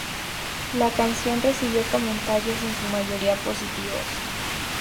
La canción recibió comentarios en su mayoría positivos.